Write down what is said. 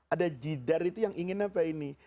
ada jidar itu yang ingin apa ini